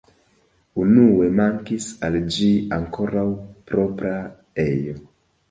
Unue mankis al ĝi ankoraŭ propra ejo.